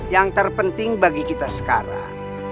yang terpenting bagi kita sekarang